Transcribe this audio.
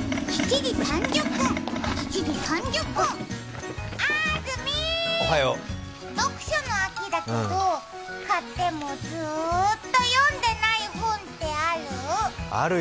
７時３０分、７時３０分、あーずみー、読書の秋だけど買ってもずーっと読んでない本ってある？